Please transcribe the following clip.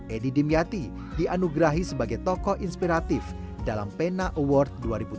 edi dimyati dianugerahi sebagai tokoh inspiratif dalam pena award dua ribu tujuh belas